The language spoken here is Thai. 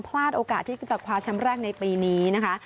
พลาดโอกาสที่จะคว้าแชมป์แรกในปีนี้นะคะ